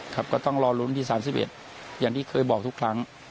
ก็ต้องรอลุ้นวันที่๓๑อย่างที่เคยบอกทุกครั้ง